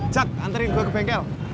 cak anterin gue ke bengkel